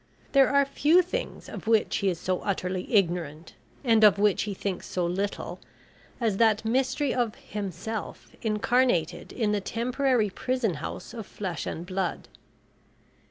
There are few things of which he is so utterly ignorant, and of which he thinks so little, as that mystery of himself incarnated in the temporary prison house of flesh and blood.